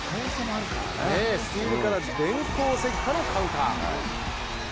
スティールから電光石火のカウンター。